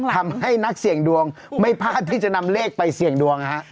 ทำให้นักเสี่ยงดวงไม่พลาดที่จะนำเลขไปเสี่ยงดวงนะฮะ